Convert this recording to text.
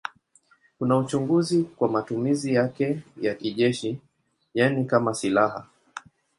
Kuna uchunguzi kwa matumizi yake ya kijeshi, yaani kama silaha.